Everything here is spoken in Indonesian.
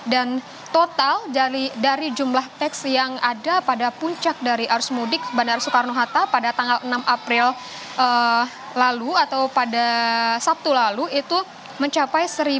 dan total dari jumlah peks yang ada pada puncak dari arus mudik bandara soekarno hatta pada tanggal enam april lalu atau pada sabtu lalu itu mencapai satu